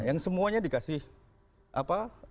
yang semuanya dikasih apa